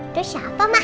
itu siapa mah